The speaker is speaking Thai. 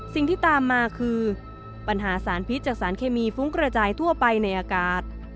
สิ่งที่ตามมาคือปัญหาสารพิษจากสารเคมีฟุ้งกระจายทั่วไปในอากาศ